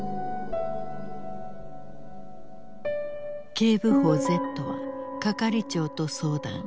警部補Ｚは係長と相談。